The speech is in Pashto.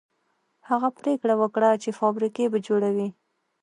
هغه پرېکړه وکړه چې فابريکې به جوړوي.